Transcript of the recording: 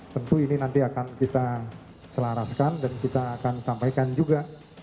tentu ini nanti akan kita selaraskan dan kita akan sampaikan juga